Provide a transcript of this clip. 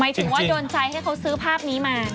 ถึงว่าโดนใจให้เขาซื้อภาพนี้มา